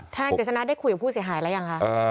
นายกฤษณะได้คุยกับผู้เสียหายแล้วยังคะ